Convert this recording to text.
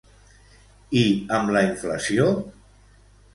I amb la inflació?